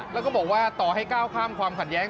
แล้วก็บอกว่าต่อให้ก้าวข้ามความขัดแย้ง